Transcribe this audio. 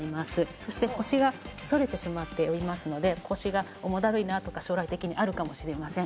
そして腰が反れてしまっておりますので腰が重だるいなとか将来的にあるかもしれません。